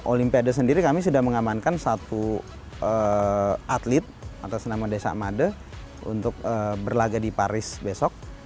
olimpiade sendiri kami sudah mengamankan satu atlet atas nama desa made untuk berlaga di paris besok